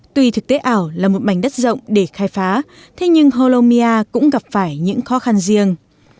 tuy thực tế ảo là một mảnh đất rộng để khai phá thế nhưng hollomia cũng gặp phải những khó khăn riêng